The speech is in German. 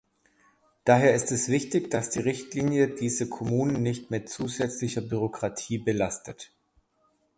Daher ist es wichtig, dass die Richtlinie diese Kommunen nicht mit zusätzlicher Bürokratie belastet.